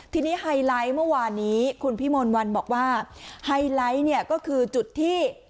ทีนี้ไฮไลท์เมื่อวานนี้คุณพี่มนต์วันบอกว่าไฮไลท์เนี่ยก็คือจุดที่